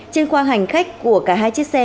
trên khoa hành khách của cả hai chiếc xe